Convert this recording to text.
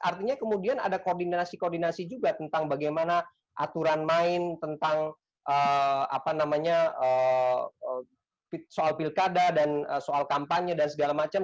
artinya kemudian ada koordinasi koordinasi juga tentang bagaimana aturan main tentang apa namanya soal pilkada dan soal kampanye dan segala macam